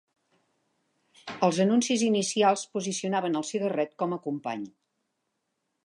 Els anuncis inicials posicionaven el cigarret com a company.